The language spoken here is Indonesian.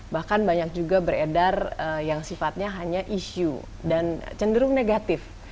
bahkan banyak juga beredar yang sifatnya hanya isu dan cenderung negatif